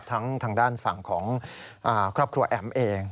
ทางด้านฝั่งของครอบครัวแอ๋มเอง